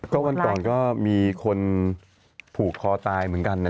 ก็วันก่อนก็มีคนผูกคอตายเหมือนกันนะ